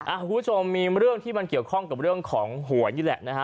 คุณผู้ชมมีเรื่องที่มันเกี่ยวข้องกับเรื่องของหวยนี่แหละนะฮะ